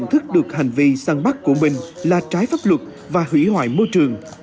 thức được hành vi săn bắt của mình là trái pháp luật và hủy hoại môi trường